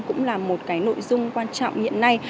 cũng là một nội dung quan trọng hiện nay